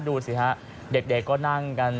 ดูสิฮะเด็กก็นั่งกัน